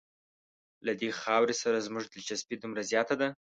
له دې خاورې سره زموږ دلچسپي دومره زیاته ده.